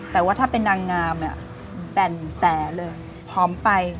แต่ว่าถ้าเป็นนางงามแต่นแต๋เลยหอมไป